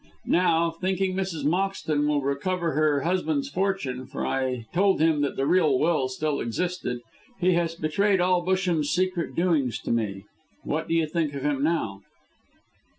Now, thinking Mrs. Moxton will recover her husband's fortune for I told him that the real will still existed he has betrayed all Busham's secret doings to me. What do you think of him now?"